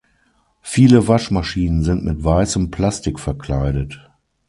Viele Waschmaschinen sind mit weißem Plastik verkleidet.